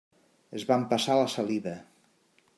Es va empassar la saliva.